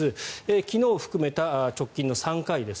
昨日を含めた直近の３回です。